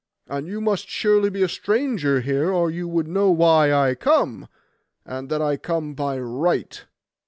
And you must be surely a stranger here, or you would know why I come, and that I come by right.